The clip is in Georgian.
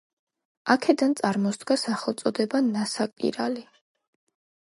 აქედან წარმოსდგა სახელწოდება ნასაკირალი.